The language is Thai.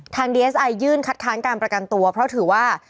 ดีเอสไอยื่นคัดค้านการประกันตัวเพราะถือว่า